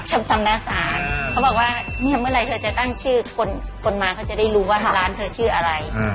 จำหน้าศาลเขาบอกว่าเมื่อไหร่เธอจะตั้งชื่อคนมาเขาจะได้รู้ว่าร้านเธอชื่ออะไร